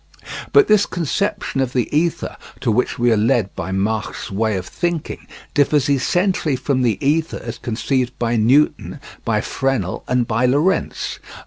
But this conception of the ether to which we are led by Mach's way of thinking differs essentially from the ether as conceived by Newton, by Fresnel, and by Lorentz.